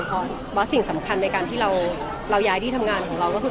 เพราะสิ่งสำคัญในการที่เราย้ายที่ทำงานของเราก็คือ